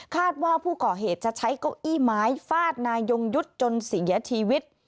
ว่าผู้ก่อเหตุจะใช้เก้าอี้ไม้ฟาดนายยงยุทธ์จนเสียชีวิต